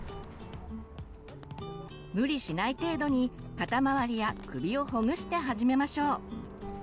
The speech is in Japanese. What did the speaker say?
無理しない程度に肩周りや首をほぐして始めましょう。